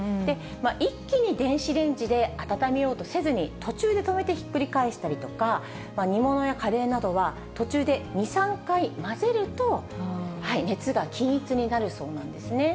一気に電子レンジで温めようとせずに、途中で止めてひっくり返したりとか、煮物やカレーなどは、途中で２、３回混ぜると、熱が均一になるそうなんですね。